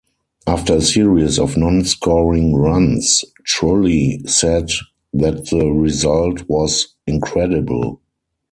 After a series of non-scoring runs, Trulli said that the result was 'incredible'.